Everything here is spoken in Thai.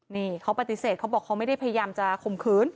นี่เขาปฏิเสธเขาบอกเขาไม่ได้พยายามจะข่มขืน